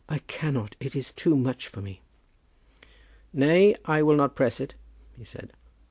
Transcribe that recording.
I cannot. It is too much for me." "Nay; I will not press it," he said.